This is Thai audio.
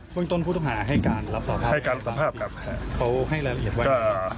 เบื้องต้นผู้ต้องหาให้การรับสารภาพให้การรับสารภาพครับ